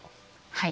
はい。